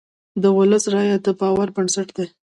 د ولس رایه د باور بنسټ دی.